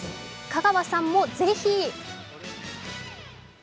香川さんもぜひ！